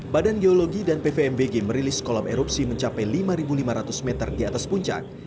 badan geologi dan pvmbg merilis kolam erupsi mencapai lima lima ratus meter di atas puncak